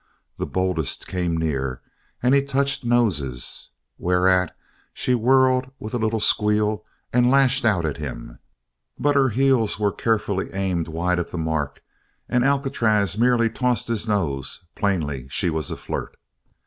The boldest came near and he touched noses, whereat she whirled with a little squeal and lashed out at him; but her heels were carefully aimed wide of the mark and Alcatraz merely tossed his nose; plainly she was a flirt.